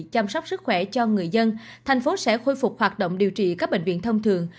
chăm sóc sức khỏe cho người dân thành phố sẽ khôi phục hoạt động điều trị các bệnh viện thông thường